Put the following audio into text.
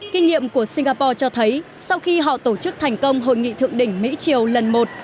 kinh nghiệm của singapore cho thấy sau khi họ tổ chức thành công hội nghị thượng đỉnh mỹ triều lần một